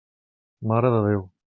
Mare de Déu!